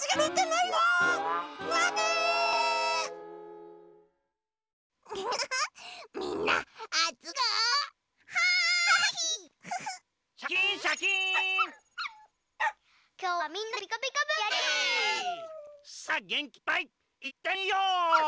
それじゃあげんきいっぱいいってみよう！